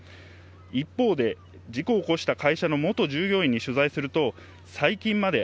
一方で、事故を起こした会社の元従業員に取材すると、最近まで、